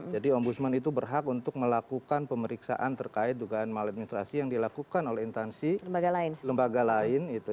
jadi ombudsman itu berhak untuk melakukan pemeriksaan terkait dugaan maladministrasi yang dilakukan oleh intansi lembaga lain